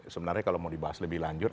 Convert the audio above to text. sebenarnya kalau mau dibahas lebih lanjut